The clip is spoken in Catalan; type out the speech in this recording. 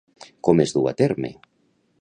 Com es du a terme?